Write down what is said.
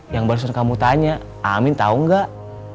yang baru suruh kamu tanya amin tau nggak